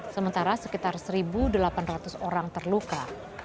sementara sekitar satu delapan ratus orang terluka